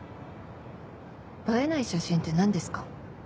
映えない写真って何ですか？